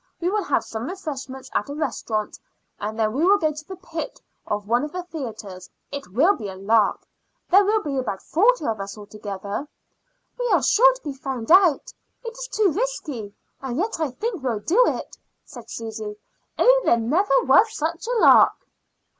We will have some refreshments at a restaurant, and then we will go to the pit of one of the theatres. It will be a lark. There will be about forty of us altogether." "We are sure to be found out. It is too risky; and yet I think we'll do it," said Susy. "Oh, there never was such a lark!"